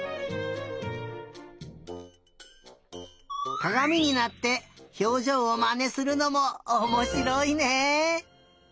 かがみになってひょうじょうをまねするのもおもしろいね！